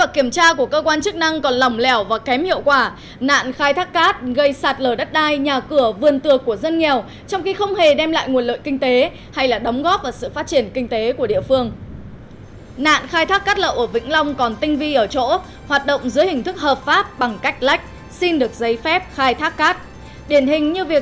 xin chào và hẹn gặp lại các bạn trong những video tiếp theo